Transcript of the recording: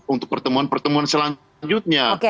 untuk pertemuan pertemuan selanjutnya